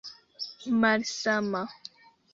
malsama